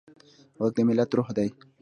غږ د ملت روح دی